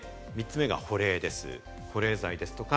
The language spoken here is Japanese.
３つ目が保冷です。